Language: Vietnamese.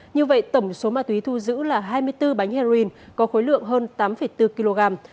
như vậy tổng số ma túy thu giữ là hai mươi bốn bánh heroin có khối lượng hơn tám bốn kg